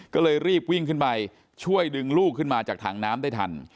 ก็เลยรีบวิ่งขึ้นไปช่วยดึงลูกขึ้นมาจากถังน้ำได้ทัน